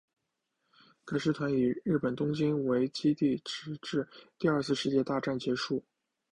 该师团以日本东京为基地直至第二次世界大战结束。